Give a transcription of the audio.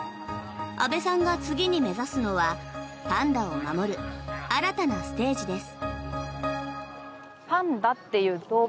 阿部さんが次に目指すのはパンダを守る新たなステージです。